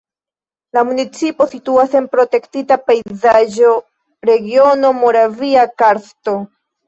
La municipo situas en protektita pejzaĝa regiono Moravia karsto.